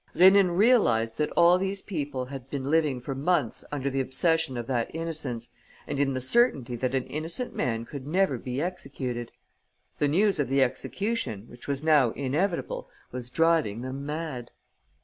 Rénine realized that all these people had been living for months under the obsession of that innocence and in the certainty that an innocent man could never be executed. The news of the execution, which was now inevitable, was driving them mad.